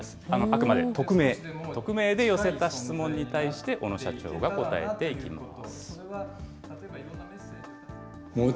あくまで匿名で寄せた質問に対して、小野社長が答えていきます。